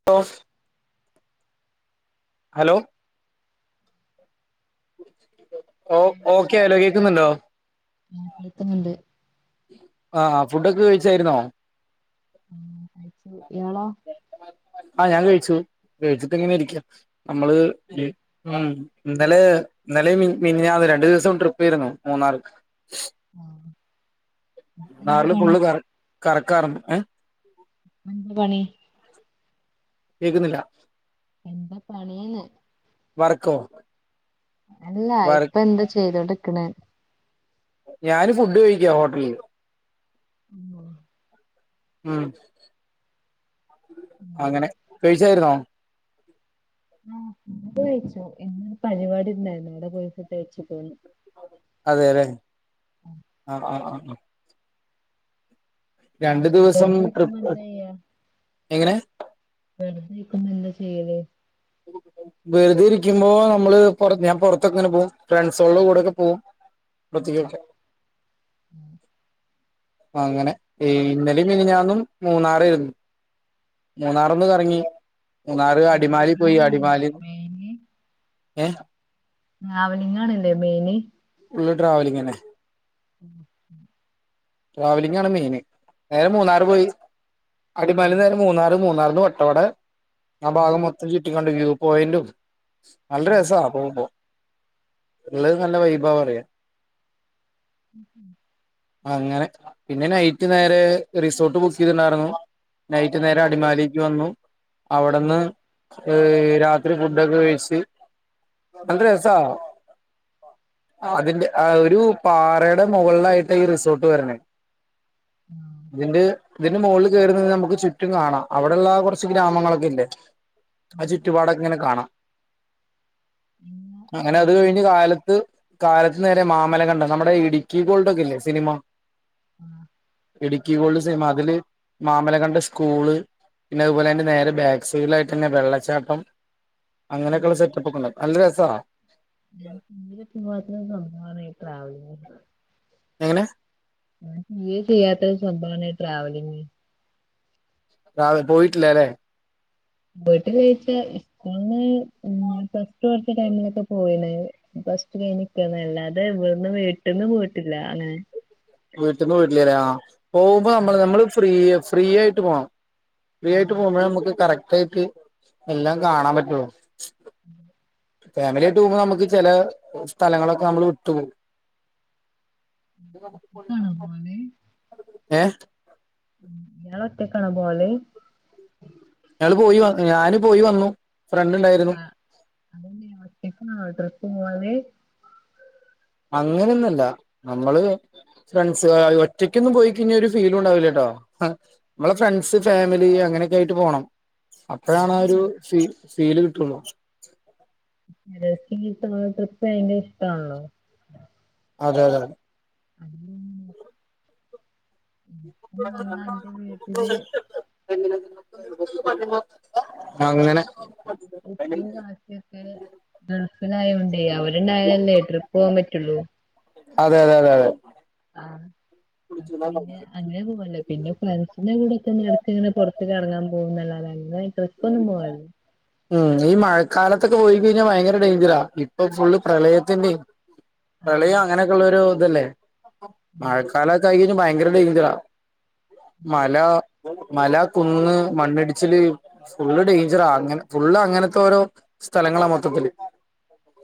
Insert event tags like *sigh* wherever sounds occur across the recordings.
*unintelligible* Hello *unintelligible* ഓ okay hello കേൾക്കുന്നുണ്ടോ കേക്കുന്നുണ്ട് ആഹ് ആഹ് ഫുഡോക്കെ കഴിച്ചായിരുന്നോ ആ, കഴിച്ചു ഇയാളോ ആഹ് ഞാൻ കഴിച്ചു കഴിച്ചിട്ട് ഇങ്ങനെ ഇരിക്ക നമ്മള് ഉം ഇന്നല് ഇന്നലെമിനി മിനിഞ്ഞാന്നും രണ്ടു ദിവസം ട്രിപ്പ് ആയിരുന്നു മൂന്നാർ *inaudible* ഇപ്പൊ എന്താ മൂന്നാറിൽ പണി ഫുൾ കറ കറക്കായിരുന്നു ഏഹ് *unintelligible* പണി കേക്ക്ന്നില്ല എന്താ പണീന്ന് വർക്കൊ അല്ലാ ഇപ്പൊ എന്താ ചെയ്തോണ്ട് നിക്ക്ണെ ഞാന് ഫുഡ് കഴിക്കാ ഹോട്ടലിന്ന് *inaudible* ഉം അങ്ങനെ കഴിച്ചായിരുന്നോ ആഹ് ഫുഡ്‌ കഴിച്ചു ഇന്ന് പരിപാടി ഇണ്ടായിരുന്നു അവിടെ പോയപ്പോ ഫുഡ്‌ കഴിച്ച്പോന്നു അതെല്ലെ ആഹ് ആഹ് ആഹ് രണ്ടു ഉം, ദിവസം വെറുതെ ഇരിക്കുമ്പോ ട്രിപ്പ് എന്താ ചെയ്യാ എങ്ങനെ വെറുതെ നിക്കുമ്പോ എന്താ ചെയ്യല് *inaudible* വെറുതെ ഇരിക്കുമ്പോ നമ്മള് ഞാൻ പൊറത്തക്കങ്ങനെ പോവും ഫ്രണ്ട്സോളുടെ കൂടെയൊക്കെ പോവും ഉം, *unintelligible* *inaudible* അങ്ങനെ ഇന്നലിം മിനിഞ്ഞാന്നും മൂന്നാറായിരുന്നു മൂന്നാറൊന്ന് കറങ്ങി മൂന്നാർ അടിമാലി പോയി ട്രാവലിംഗ് ആണല്ലേ അടിമാലീന്ന് മെയിന് ഏഹ് ട്രാവലിംഗ് ആണ് ല്ലേ മെയിൻ ഫുള്ള് ട്രാവലിംഗ് ന്നെ *inaudible* ട്രാവലിംങ്ങ് ആണ് മെയിന് നേരെ മൂന്നാറ് പോയി ആ അടിമാലിന്ന് നേരെ മൂന്നാറ് മൂന്നാറിന്ന് വട്ടവട ആ ഭാഗം മൊത്തം ചുറ്റിക്കാണ്ട് വ്യൂ പോയിന്റും നല്ല ആ രസ പോകുമ്പോ ഇള്ള നല്ല വൈബാന്ന് പറയാം *inaudible* അങ്ങനെ പിന്നെ നൈറ്റ് നേരെ റിസോർട്ട് ബുക്ക് ചെയ്തിണ്ടായിരുന്നു നൈറ്റ് നേരെ ആ അടിമാലിക്ക് വന്നു ഉം, അവിട്ന്ന് രാത്രി ഫുഡൊക്കെ കഴിച്ച് ഉം, നല്ല രസാ അതിന്റെ ഒരു പാറയുടെ മുകളിലായിട്ടാ ഈ റിസോർട്ട് വര്ണെ ആ ഇതിന്റെ ഇതിന്റെ മോളിൽ കേറിനിന്ന നമുക്ക് ചു റ്റും കാണാം അവിടെള്ള കൊറച്ച് ഗ്രാമങ്ങളൊക്കെ ഇല്ലേ ഉം ആ ചുറ്റുപാടൊക്കെ ഇങ്ങനെ കാണാം ഉം അങ്ങനെ അത് പിന്നെ കഴിഞ്ഞ് ഉം കാലത്ത് കാലത്ത് നേരെ മാമല കണ്ട് നമ്മുടെ ഇടുക്കി ഗോൾഡൊക്കെല്ലേ സിനിമ *inaudible* ഇടുക്കി ഗോൾഡ് സിനിമ അതില് മാമലകണ്ട സ്കൂള് പിന്നെ അതുപോലെ തന്നെ നേരെ ബാക്ക് സൈഡിലായിട്ട് തന്നെ വെള്ളച്ചാട്ടം ഉം അങ്ങനെക്കെള്ള സെറ്റപ്പൊക്കെള്ളെ നല്ല രസാ ഞാൻ പിന്നിൽ എത്തുമ്പോൾ സ്വന്തമാണ് ഈ ട്രാവല് എങ്ങനെ തീരെ ചെയ്യാത്തൊരു സംഭവമാണ് ട്രാവലിങ് ട്രാവ പോയിട്ടില്ല ലെ പോയിട്ടില്ലേയ്ച്ച സ്കൂൾന്ന് ഉം ഞാൻ പ്ലസ് ടു പഠിച്ച ടൈമിലൊക്കെ പോയിണ്ടായ്ന്ന് പ്ലസ് ടു കയ്ഞ്ട്ട്ന്നല്ലാതെ ഇവ്ട്ന്ന് വീട്ട്ന്ന് പോയിട്ടില്ലങ്ങനെ വീട്ട്ന്ന് പോയിട്ടില്ലലേ ആ പോവുമ്പോ നമ്മള് ആഹ് നമ്മള് ഫ്രീ ഫ്രീയായിട്ട് പോണം ഫ്രീയായിട്ട് പോവുമ്പോഴെ നമ്മക്ക് കറക്റ്റായിട്ട് എല്ലാം കാണാൻ പറ്റുള്ളു *inaudible* ഫാമില്യായിട്ട് പോവുമ്പോ നമുക്ക് ചെലലെ സ്ഥലങ്ങളൊക്കെ നമ്മള് വിട്ടു പോവും ക്കാണോ പോവല് ഏ ഇങ്ങളൊറ്റാക്കാണോ പോവല് ഞങ്ങള് പോയി വന്ന് ഞാന് പോയി വന്നു ഫ്രണ്ട്ണ്ടായി ആ അതെങ്ങന്യാ ഒറ്റക്കാണോ ട്രിപ്പ് പോവല് അങ്ങനൊന്നല്ല നമ്മള് ഫ്രണ്സ്കളായും ഒറ്റയ്ക്കൊന്നും പോയിക്കയ്ഞ്ഞാ ഒരു ഫീലും ണ്ടാവില്ലട്ടോ മ്മളെ ഫ്രണ്സ്, ഫാമിലി അങ്ങനെയൊക്കായിട്ട് പോണം അപ്പഴാണ് അതാണ് ഒരു ഫി ഫീല് കിട്ടുള്ളൂ *unintelligible* ട്രിപ്പ് ഭയങ്കര ഇഷ്ട്ടാൺള്ളോ അതെ അതെ അതുകൊണ്ടാണ് എന്ന് പറഞ്ഞാ എന്റെ വീട്ടില് *inaudible* അങ്ങനെ ഉപ്പ കാക്കയൊക്കെ ഗൾഫിലായോണ്ട് അവര് ഓല്ണ്ടായാലല്ലേ ട്രിപ്പോവാൻ പറ്റുള്ളൂ അതെ അതെ അതെ ആ പിന്നെ അങ്ങനൊന്നും *unintelligible* പിന്നെ ഫ്രണ്സിന്റെ കൂടൊക്കെങ്ങനെടക്ക് ങ്ങനെ പൊർത്ത് കറങ്ങാൻ പോവുന്നല്ലാതെ അങ്ങനെ ട്രിപ്പൊന്നും പോവലില്ല ഉം ഈ മഴക്കാലത്തൊക്കെ പോയിക്കയ്ഞ്ഞാ ഭയങ്കര ഡെയ്ഞ്ചറ ഇപ്പൊ ഫുള്ള് പ്രളയത്തിന്റെ. ആഹ് പ്രളയും അങ്ങനെക്ക്ള്ളൊരു തല്ലേ മഴക്കാലൊക്കായി കഴിഞ്ഞാ ഭയങ്കര ഡെയ്ഞ്ചറാ മല, മല, കുന്ന്, മണ്ണിടിച്ചില്, ഫുള്ള് ഡെയ്ഞ്ചറാ അങ്ങനെ ഫുള്ള് അങ്ങൻത്തോരോ സ്ഥലങ്ങളാ മൊത്തത്തില്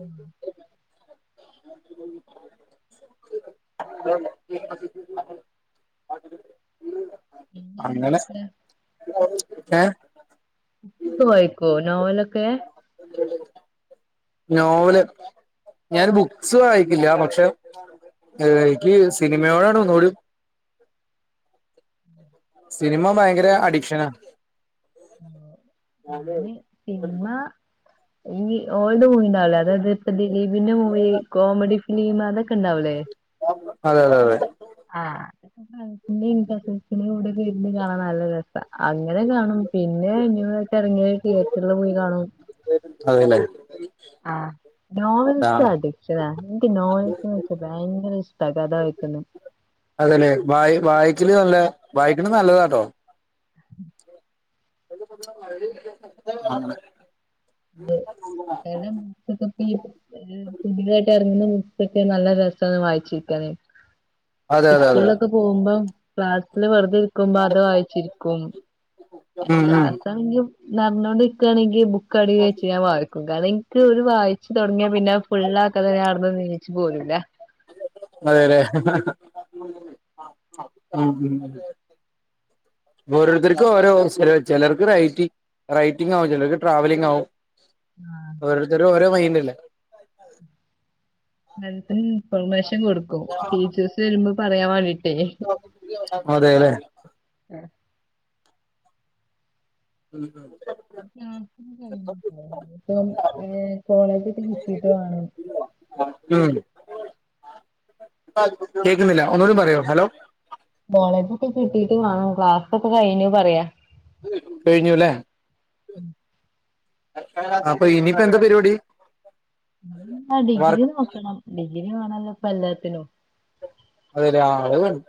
ഉം *inaudible* പിന്നെ അങ്ങനെ സ് എന്തൊക്കെയാ ഏ ബുക്ക് വായിക്കോ നോവലൊക്കെ നോവല് ഞാന് ബുക്സ് വായിക്കില്ല പക്ഷെ എ എനിക്ക് സിനിമയോടാണ് ഒന്നുകൂടി സിനിമ ഭയങ്കര അഡിക്ഷനാ ആ ഞാന് സിനിമാ ഈ ഓൾഡ് മൂവി ണ്ടാവുലേ അതായത് ഇപ്പ ദിലീപിന്റെ മൂവി കോമഡി ഫിലിം അതൊക്കെ ണ്ടാവുലേ അതെ അതെ അതെ ആ ഫ്രണ്സിന്റേം കസിസ്ന്റേം കൂടെ ഇരുന്ന് കാണാൻ നല്ല രസാ അങ്ങനെ കാണും പിന്നെ ന്യൂയായിട്ട് എറങ്ങിയത് തിയേറ്ററില് പോയി കാണും അതെലെ ആ നോവൽസടി ക്ഷനാ ഇൻക്ക് നോവൽസ്ന്ന് വെച്ചാ ഭയങ്കരഷ്ട്ടാ കഥ വായിക്കുന്നെ അതെല്ലെ വായ് വായ്ക്കുന്നെ നല്ല വായിക്ക്ണത് നല്ലതാട്ടോ *unintelligible* *unintelligible* ഉം പുതുതായിട്ട് എറങ്ങുന്ന ബുക്സൊക്കെ നല്ല രസാ വായിച്ചിരിക്കാനാ അതെ അതെ അതെ സ്കൂളിലൊക്കെ പോകുമ്പം ക്ലാസ്സില് വെറുതെ ഇര് ക്കുംമ്പ അത് വായിച്ചിരിക്കും ഉം ഉം ക്ലാസാണെങ്കി നടന്നോണ്ടിരിക്കാണെങ്കിൽ ബു ക്കടീ വെച്ച് ഞാൻ വായി ക്കും കാരണം ഇൻക്ക് ഒരു വായിച്ച് തൊടങ്ങിയ പിന്നെ അത് ഫുള്ളാക്കതെ ഞാൻ അവിട്ന്ന് നീച്ച് പോരൂല്ല. അതെലേ ആഹ് ഉം ഓരോരുത്തർക്കും ഓരോ അവസര ചെലർക്ക് റൈറ്റി റൈറ്റിംങ്ങ് ആവും ചെലോർക്ക് ട്രാവലിംങ്ങാവും ആ ഓരോരുത്തര് ഓരോ മൈന്റല്ലേ ഫ്രിണ്ട്സ്ന് ഇൻഫർമേഷൻ കൊടുക്കും ടീച്ചേഴ്സ് വരുമ്പോ പറയാൻ വേണ്ടീട്ടേ അതെലേ *unintelligible* *unintelligible* ഇഞ്ഞ്പ്പം ഏഹ് കോളേജ് കിട്ടീട്ട് വാണം *unintelligible* കേക്കുന്നില്ല ഒന്നുകൂടി പറയോ ഹലോ കോളേജൊക്കെ കിട്ടീട്ട് വാണം ക്ലാസ് ഒക്കെ കഴിഞ്ഞു പറയാ കഴിഞ്ഞുല്ലേ അപ്പ ഇനിപ്പെന്താ പരിപാടി ഉം ആഹ് ഡിഗ്രി വർക്ക് നോക്കണം ഡിഗ്രി വേണല്ലോ ഇപ്പ എല്ലാത്തിനും അതെ ആഹ് അത് വേണം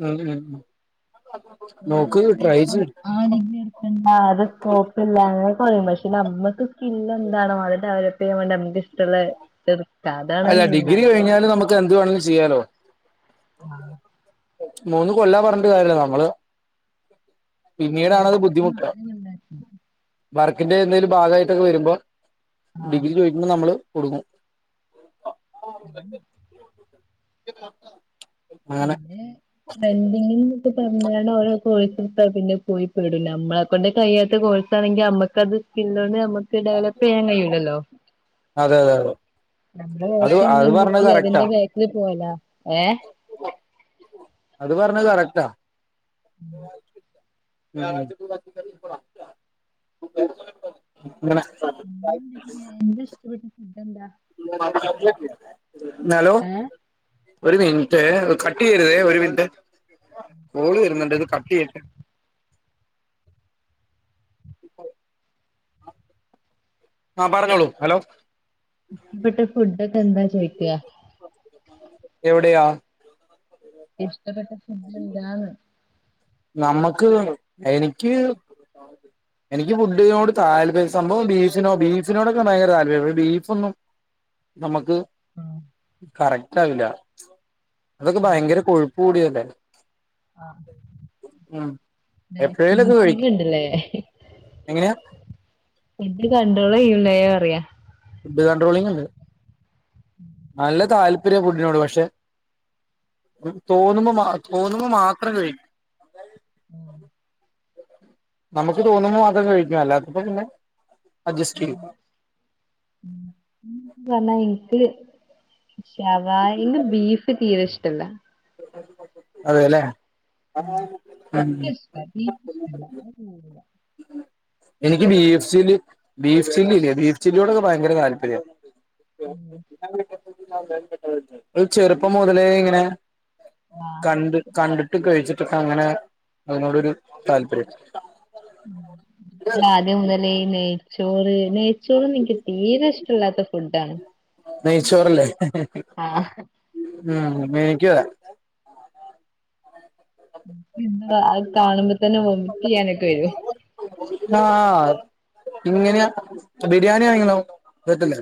*unintelligible* നോക്ക് ട്രൈ ചെയ്ത് ആഹ് ഡിഗ്രി എട് ക്കണ്ടാ അത് സ്കോപ്പില്ല അങ്ങനൊക്കെ പറയും പക്ഷെ നമ്മക്ക് സ്കില്ല് എന്താണോ അത് ഡെവലപ്പ് ചെയ്യാൻ വേണ്ടി നമക്ക് ഇഷ് ട്ടള്ളെ ഇത്ട്ക്കാ അതാണ് നല്ലതാ റ്റ് എന്ത് വേണേലും ചെയ്യാലോ ആഹ് മൂന്ന് കൊല്ലാ പറഞ്ഞിട്ട് കാര്യല്ല നമ്മള് ഉം. പിന്നീടാണത് ബുദ്ധിമുട്ട നാല് കൊല്ലാക്കി വർക്കിന്റെ എന്തേലും ഭാഗായിട്ടൊക്കെ വരുമ്പോ ആ ഡിഗ്രി ചോദിക്കുമ്പോ നമ്മള് കുട്ങ്ങും അയ്ന് *unintelligible* പിന്നെ റെന്റിങ്ങ് എന്നൊക്കെ പറഞാല് ഓരോ കോഴ്സെടുത്താ പിന്നെ പോയി പെടും ഞമ്മളെ ക്കൊണ്ട് കഴിയാത്ത കോഴ്സ് ആണെങ്കി അമ്മക്കത് സ്കില്ലോണ്ട് നമ്മക്ക് ഡെവലപ്പ് ചെയ്യാൻ കഴിയൂലല്ലോ അതെ അതെ അതെ നമ്മടെ ഫാഷൻ കണ്ടെത്തി കറക്റ്റാ അതിന്റെ ബേക്കില് പോവലാ ഏഹ് അത് പറ്ഞ്ഞെ കറക്റ്റാ ഉം ഉം *unintelligible* പിന്നെ എന്തെക്കെ എന്താ ഇഷ്ടപ്പെട്ട ഫുഡ് എന്താ നലോ ഒരു മിൻറ്റേ കട്ട് ചെയ്യരുതെ ഒരു മിൻറ്റ് കോള് വരുന്നുണ്ട് അത് കട്ട് ചെയ്യട്ടെ ഇപ്പോ ആഹ് പറഞ്ഞോളൂ ഹലോ ഇഷ്ട്ടപ്പെട്ട ഫുഡൊക്കെ എന്താ ചോയ്ക്കാ എവിടെയാ ഇഷ്ടപ്പെട്ട ഫുഡ് എന്താന്ന് നമ്മക്ക് എനിക്ക് എനിക്ക് ഫുഡിനോട് താല്പ സംഭവം ബീഫിനോ ബീഫിനോടൊക്ക ഭയങ്കര താപര്യം ഇവടെ ബീഫൊന്നും നമ്മക്ക് ആഹ് കറക്റ്റാവില്ല അതൊക്കെ ആഹ് ഭയങ്കര കൊഴുപ്പ് കൂടിയതല്ലേ ആഹ് നെഗറ്റീവ് എപ്പോഴേലൊക്കെ കഴിക്കും ഹീല്ണ്ട്ല്ലേ എങ്ങനെയാ ഫുഡ്‌ കണ്ട്രോള് ചെയ്യുവല്ലേ പറയ്യാ ഫുഡ് കൺണ്ട്രോളിങ്ങണ്ട് നല്ല താല്പര്യ ഫുഡിനോട് പക്ഷെ പ്പം തോന്നുമ്പമാ ആഹ് തോന്നുമ്പ മാത്രം കഴിക് ഉം നമുക്ക് തോന്നുമ്പ മാത്രം കഴിയ്ക്ക അല്ലാത്തപ്പോ പിന്നെ അഡ്ജസ്റ്റ് ചെയ്യും വന്നാ എനിക്ക് ശവായയും ബീഫ് തീരെ ഇഷ്ടല്ല അതെല്ലേ ആഹ് ഉം എനിക്ക് ഇഷ്ട ബീഫ് ഇഷ്ട്ടല്ല *unintelligible* എനിക്ക് ബീഫ് ചില്ലി ബീഫ് ചില്ലിയില്ലേ ബീഫ് ചില്ലിയോടൊക്കെ ഭയങ്കര താല്പര്യം ആഹ് ചെറുപ്പം മുതലേ ഇങ്ങനെ ആഹ് കണ്ട് കണ്ടിട്ടും കഴിച്ചിട്ടൊക്കെ അങ്ങനെ അതിനോടൊരു താല്പര്യം ആദ്യം മുതൽ നെയ് നെയ്ച്ചോറ് നെയ്ച്ചോറ് എനിക്ക് തീരെ ഇഷ്ടല്ലാത്ത ഫുഡാണ് നെയ്ച്ചോറല്ലേ ആഹ് ഉം എനിക്കുമതെ അത് കാണുമ്പോ തന്നെ ഓമിറ്റെയാനൊക്കെ വരൂം ആഹ് ആഹ് ഇങ്ങനെയാ ബിരിയാണി ആണെങ്കിലോ സെറ്റല്ലേ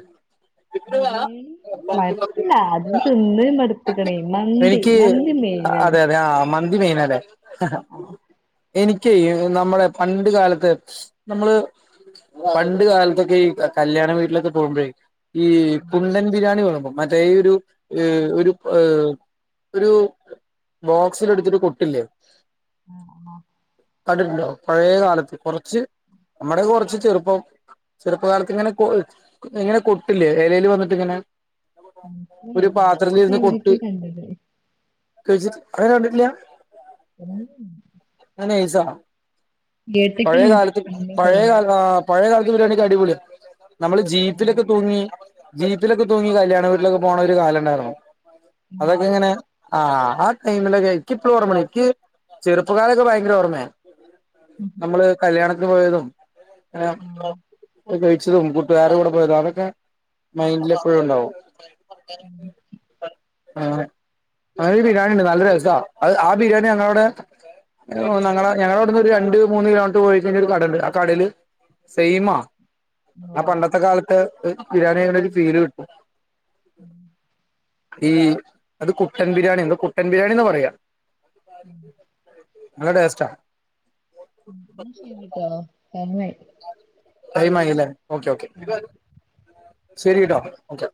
ബിരിയാണി മല്ല അത് തിന്ന് മടുത്തേക്കണേ മന്തി എനിക്ക് മന്തി മേയിനാണ് അതെ അതെ ആഹ് മന്തി മെയ്നാല്ലേ എനിക്ക് നമ്മുടെ പണ്ട് കാലത്ത് നമ്മള് പണ്ടുകാലത്തൊക്കെ ഈ കല്യാണ വീട്ടിലൊക്കെ പോകുമ്പോഴേ ഈ പുണ്ടൻ ബിരിയാണി വിളമ്പും മറ്റേ ഈയ്യൊരു ഒരു ഏഹ് ഒരു ബോക്സിലെടുത്തിട്ട് കൊട്ടില്ലേ ആഹ് കണ്ടിട്ടുണ്ടോ പഴയ കാലത്ത് കൊറച്ച് നമ്മുടെ കുറച്ച് ചെറുപ്പം ചെറുപ്പകാലത്ത് ഇങ്ങനെ കൊ ഇങ്ങനെ കൊട്ടില്ലേ ഇലയിൽ വന്നിട്ടിങ്ങനെ കുറേയ്യായോ കൊട്ട് എവിടൊക്കെ കണ്ടിക്കണ് കഴിച്ചിട്ട് അങ്ങനെ കണ്ടിട്ടില്ല *inaudible* അത് നൈസാണോ പഴയ കേട്ട്ക്ക്ണ് കാലത്തിക്കണ് ഇന്നൊക്കെ പഴയ കാല ആഹ് പഴയ കാലത്ത് ബിരിയാണിയൊക്കെ അടിപൊളിയാ നമ്മള് ഏഹ് ജീപ്പിലൊക്കെ തൂങ്ങി ജീപ്പിലൊക്കെ തൂങ്ങി കല്യാണ വീട്ടിലൊക്കെ പോണ ഒരു കാലമുണ്ടായിരുന്നു ആഹ് അതൊക്കെ ഇങ്ങനെ ആഹ് ആഹ് ടൈമിൽ എനിക്ക് ഇപ്പഴും ഓർമ്മയുണ്ട് എനിക്ക് ചെറുപ്പക്കാലൊക്കെ ഭയങ്കര ഓർമ്മയാ നമ്മള് കല്യാണത്തിന് പോയതും ആഹ് ഇങ്ങനെ കഴിച്ചതും കൂട്ടുകാരുടെ കൂടെ പോയതും അതൊക്കെ മൈൻഡില് എപ്പോഴും ഉണ്ടാവും *inaudible* ആഹ് അങ്ങനൊരു ബിരിയാണിണ്ട് നല്ല രസാ ആഹ് ബിരിയാണി ഞങ്ങളവിടെ ഞങ്ങളെ ഞങ്ങളവിടുന്ന് ഒരു രണ്ടു മൂന്ന് കിലോമീറ്റർ പോയി കഴിഞ്ഞാൽ ഒരു കടയുണ്ട് ആഹ് കടയില് സെയിമാ ആഹ് ഓഹ് പണ്ടത്തെ കാലത്തെ ബിരിയാണി കഴിക്കുന്ന ഒരു ഫീല് കിട്ടും ഈ അത് കുട്ടൻ ബിരിയാണി എന്തോ കുട്ടൻ ബിരിയാണിന്നാ പറയാ *inaudible* നല്ല ടേസ്റ്റാ ഉം എന്നാ ശരിട്ടോ ടൈമായി ടൈമായില്ലേ ഓക്കേ ഓക്കേ ശരിട്ടോ ഓക്കേ